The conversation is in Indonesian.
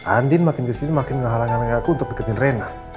andin makin kesini makin menghalang anak anakku untuk deketin reina